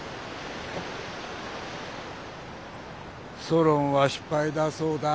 ソロンは失敗だそうだ。